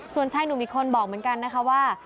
ส่วนใช่หนูมีคนบอกเหมือนกันนะคะว่า